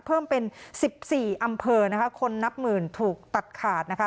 เพิ่มเป็น๑๔อำเภอนะคะคนนับหมื่นถูกตัดขาดนะคะ